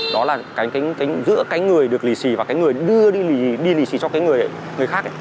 đó là giữa cái người được lì xì và cái người đưa đi lì xì cho cái người khác ấy